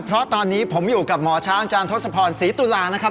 เพราะตอนนี้ผมอยู่กับหมอช้างอาจารย์ทศพรศรีตุลานะครับ